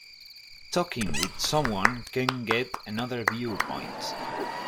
Talking with someone can get another viewpoint.